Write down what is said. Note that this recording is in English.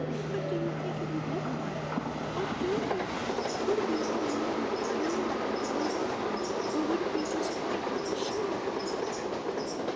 What do you think it would look like? What do you? Would it be all yellow and fiery like a glowworm or would it be just white, like a sheet?"